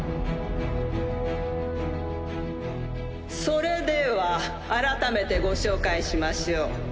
それでは改めてご紹介しましょう。